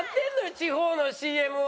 地方のＣＭを。